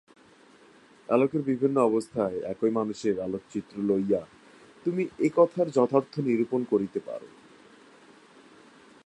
আলোকের বিভিন্ন অবস্থায় একই মানুষের আলোকচিত্র লইয়া তুমি এ-কথার যাথার্থ্য নিরূপণ করিতে পার।